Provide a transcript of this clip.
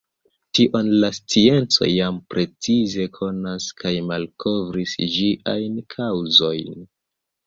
Tion la scienco jam precize konas kaj malkovris ĝiajn kaŭzojn.